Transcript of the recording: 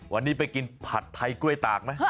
วันนี้ไปกินผัดไทยกล้วยตากไหม